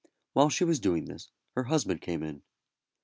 While she was doing this her husband came in.